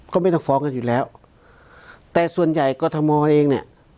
ก็ไม่ต้องฟ้องกันอยู่แล้วแต่ส่วนใหญ่กรทมเองเนี่ย